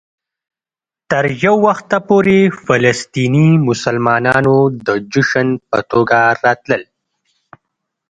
تر یو وخته پورې فلسطيني مسلمانانو د جشن په توګه راتلل.